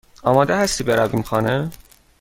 آماده هستی برویم خانه؟